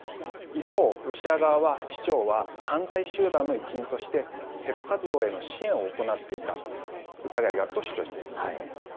一方、ロシア側は市長は犯罪集団の一員として、テロ活動への支援を行っていた疑いがあると主張しています。